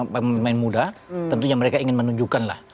pemain muda tentunya mereka ingin menunjukkan